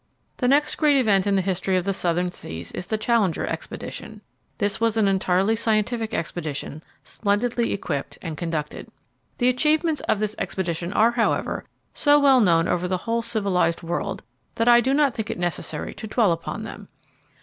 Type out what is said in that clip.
The next great event in the history of the southern seas is the Challenger expedition. This was an entirely scientific expedition, splendidly equipped and conducted. The achievements of this expedition are, however, so well known over the whole civilized world that I do not think it necessary to dwell upon them.